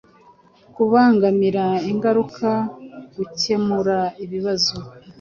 kubangamira, ingaruka, gukemura ibibazo